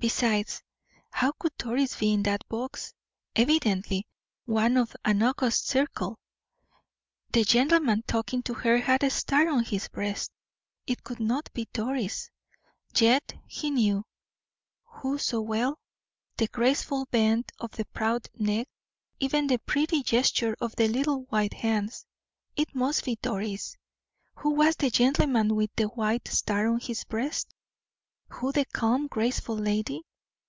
Besides, how could Doris be in that box, evidently one of an august circle; the gentleman talking to her had a star on his breast. It could not be Doris; yet he knew who so well? the graceful bend of the proud neck, even the pretty gesture of the little white hands. It must be Doris. Who was the gentleman with the white star on his breast? Who the calm, graceful lady?